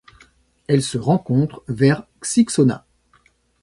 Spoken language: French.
Elle se rencontre vers Xixona.